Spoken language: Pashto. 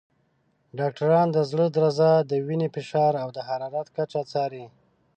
ډاکټران د زړه درزا، د وینې فشار، او د حرارت کچه څاري.